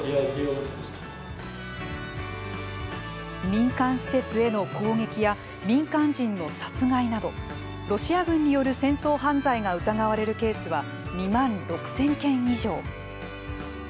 民間施設への攻撃や民間人の殺害などロシア軍による戦争犯罪が疑われるケースは２万６０００件以上。